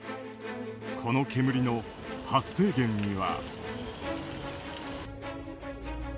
この煙の発生源には。